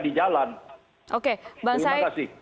di jalan terima kasih